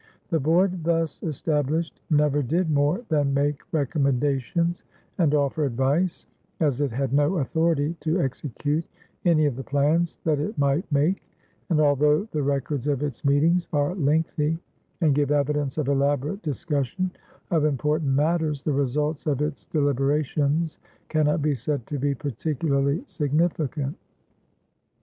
The board thus established never did more than make recommendations and offer advice, as it had no authority to execute any of the plans that it might make; and although the records of its meetings are lengthy and give evidence of elaborate discussion of important matters, the results of its deliberations cannot be said to be particularly significant.